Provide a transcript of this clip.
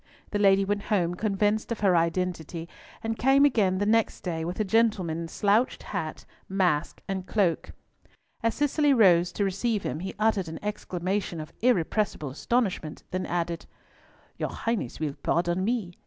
The lady went home convinced of her identity, and came again the next day with a gentleman in slouched hat, mask, and cloak. As Cicely rose to receive him he uttered an exclamation of irrepressible astonishment, then added, "Your Highness will pardon me.